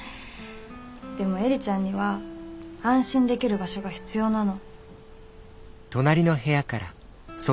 でも映里ちゃんには安心できる場所が必要なの。